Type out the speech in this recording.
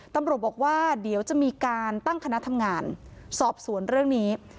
ตำรวจบอกว่าเดี๋ยวจะมีการตั้งคณะทำงานสอบสวนเรื่องนี้